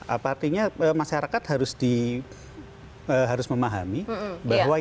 apa artinya masyarakat harus memahami bahwa yang digunakan untuk perhitungan ini